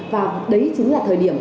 và đấy chính là thời điểm